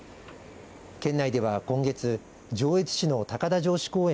県内では今月上越市の高田城址公園